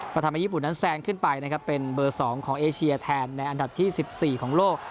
ก็ทำให้ญี่ปุ่นนั้นแซงขึ้นไปนะครับเป็นเบอร์๒ของเอเชียแทนในอันดับที่๑๔ของโลก